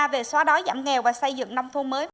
về xóa đói giảm nghèo và xây dựng nông thôn mới